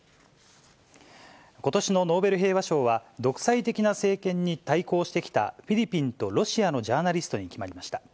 ことしのノーベル平和賞は、独裁的な政権に対抗してきたフィリピンとロシアのジャーナリストに決まりました。